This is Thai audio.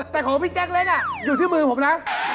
แต่ของพี่แจ๊กเล็กอยู่ที่มือผมนะ